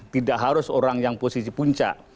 tidak harus orang yang posisi puncak